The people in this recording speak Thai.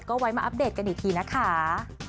ก็ไว้มาอัปเดตกันอีกทีนะคะ